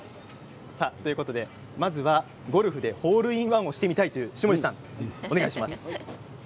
まずはゴルフでホールインワンしてみたいという下地さん、お願いします。